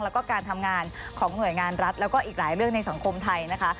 แล้วก็การทำงานของหน่วยงานรัฐแล้วก็อีกหลายเรื่องในสังคมไทยนะคะ